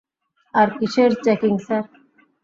আর কিসের checking, sir?